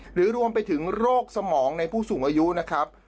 หรือรวมไปถึงโรคสมองในผู้สูงอายุนะครับ